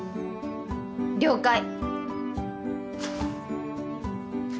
了解！